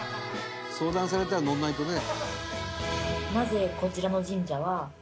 相談されたら乗らないとね。